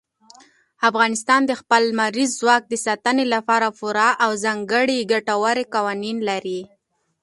افغانستان د خپل لمریز ځواک د ساتنې لپاره پوره او ځانګړي ګټور قوانین لري.